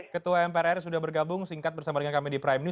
ketua mpr sudah bergabung singkat bersama dengan kami di prime news